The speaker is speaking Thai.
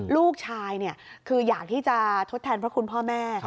ลูกชายคืออยากที่จะทดแทนพระคุณพ่อแม่